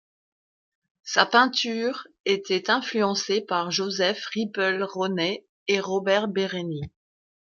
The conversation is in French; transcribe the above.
Sa peinture était influencée par József Rippl-Rónai et Róbert Berény.